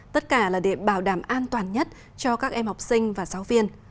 tất cả là để bảo đảm an toàn nhất cho các em học sinh và giáo viên